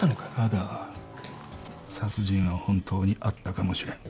ただ殺人は本当にあったかもしれん。